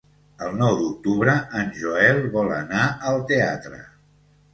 El nou d'octubre en Joel vol anar al teatre.